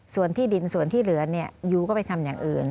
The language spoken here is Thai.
ส่วนที่ดินส่วนที่เหลือเนี่ยยูก็ไปทำอย่างอื่น